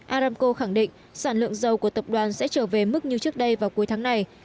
aramco khẳng định sản lượng dầu của tập đoàn sẽ trở về mức như trước đây vào cuối tháng này